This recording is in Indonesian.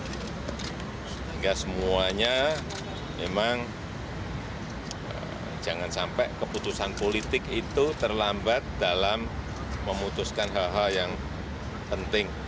sehingga semuanya memang jangan sampai keputusan politik itu terlambat dalam memutuskan hal hal yang penting